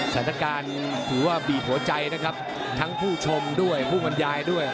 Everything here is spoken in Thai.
สถานการณ์ถือว่าบีบหัวใจนะครับทั้งผู้ชมด้วยผู้บรรยายด้วย